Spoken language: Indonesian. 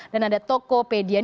dan ada tokopedia